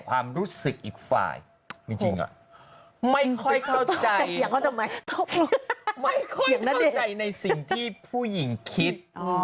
ไม่ค่อยเข้าใจในสิ่งที่ผู้หญิงคิด